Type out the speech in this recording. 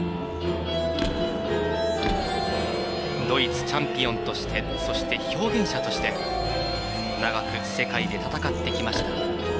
ドイツチャンピオンとしてそして、表現者として長く世界で戦っていました。